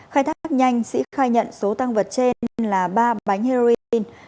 khai thác nhanh sĩ khai nhận số tăng vật trên là ba bánh heroin